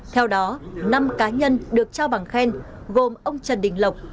theo đó năm cá nhân được trao bằng khen gồm ông trần đình lộc